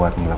oh ya noh